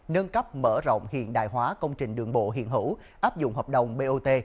nâng cấp mở rộng hiện đại hóa công trình đường bộ hiện hữu áp dụng hợp đồng bot